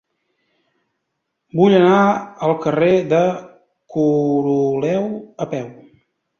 Vull anar al carrer de Coroleu a peu.